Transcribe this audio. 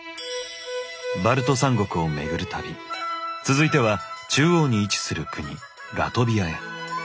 バルト三国をめぐる旅続いては中央に位置する国ラトビアへ。